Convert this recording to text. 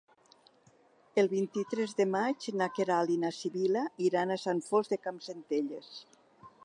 El vint-i-tres de maig na Queralt i na Sibil·la iran a Sant Fost de Campsentelles.